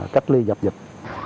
cách ly dập dịch